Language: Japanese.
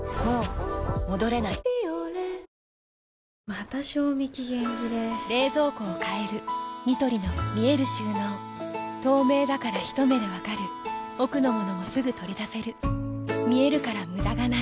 また賞味期限切れ冷蔵庫を変えるニトリの見える収納透明だからひと目で分かる奥の物もすぐ取り出せる見えるから無駄がないよし。